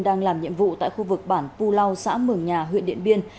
đang làm nhiệm vụ tại khu vực bản pu lau xã mường nhà huyện điện biên